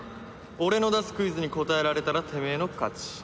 俺の出すクイズに答えられたらてめえの勝ち。